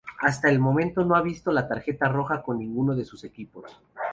Hasta el momento no ha visto la tarjeta roja con ninguno de sus equipos.